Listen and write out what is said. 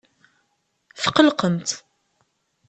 Tqellqemt.